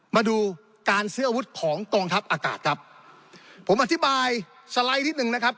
มาดูการซื้ออาวุธของกองทัพอากาศครับผมอธิบายสไลด์นิดหนึ่งนะครับ